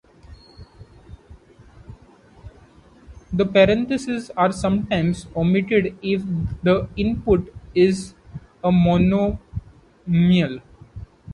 The parentheses are sometimes omitted if the input is a monomial.